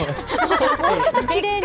もうちょっときれいに。